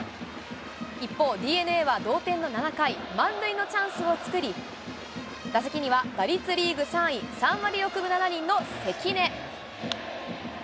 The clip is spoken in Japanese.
一方、ＤｅＮＡは同点の７回、満塁のチャンスを作り、打席には打率リーグ３位、３割６分７厘の関根。